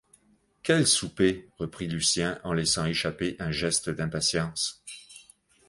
Quel souper? reprit Lucien en laissant échapper un geste d’impatience.